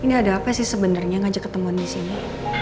ini ada apa sih sebenarnya ngajak ketemuan di sini